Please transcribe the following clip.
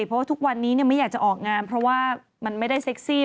เพราะว่าทุกวันนี้ไม่อยากจะออกงานเพราะว่ามันไม่ได้เซ็กซี่